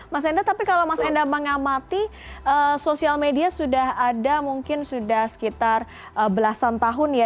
mas enda tapi kalau mas enda mengamati sosial media sudah ada mungkin sudah sekitar belasan tahun ya